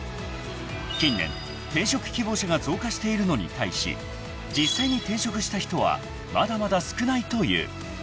［近年転職希望者が増加しているのに対し実際に転職した人はまだまだ少ないという］